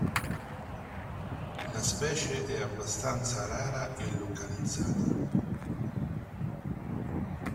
La specie è abbastanza rara e localizzata.